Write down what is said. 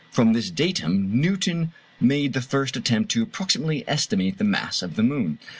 From this datum Newton made the first attempt to approximately estimate the mass of the moon.